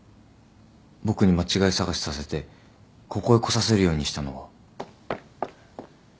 僕に間違い探しさせてここへ来させるようにしたのは。